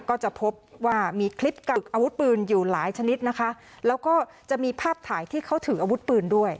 ก็จะพบว่ามีคลิปกักอาวุธปืนอยู่หลายชนิดนะคะแล้วก็จะมีภาพถ่ายที่เขาถืออาวุธปืนด้วย